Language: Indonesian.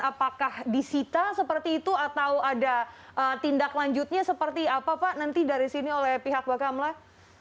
apakah disita seperti itu atau ada tindak lanjutnya seperti apa pak nanti dari sini oleh pihak bakamlah